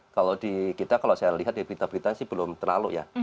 kalau di kita kalau saya lihat di berita berita sih belum terlalu ya